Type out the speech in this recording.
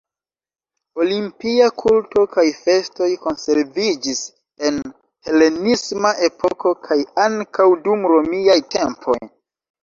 Olimpia kulto kaj festoj konserviĝis en helenisma epoko kaj ankaŭ dum romiaj tempoj.